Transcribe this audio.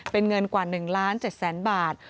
เป็นเงินกว่า๑๗๐๐๐๐๐บาท